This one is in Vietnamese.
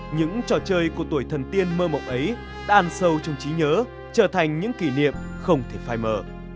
những trò chơi của tuổi thần tiên mơ mộng ấy đàn sâu trong trí nhớ trở thành những kỷ niệm không thể phai mở